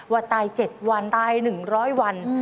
ว่าตาย๗วันตาย๑๐๐วัน